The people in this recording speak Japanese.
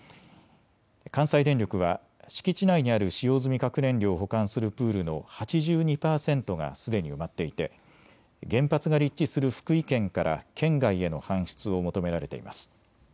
関西電力は敷地内にある使用済み核燃料を保管するプールの８２％がすでに埋まっていて原発が立地する福井県から県外への搬出を求められています。